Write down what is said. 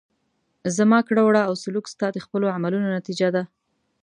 زما کړه وړه او سلوک ستا د خپلو عملونو نتیجه ده.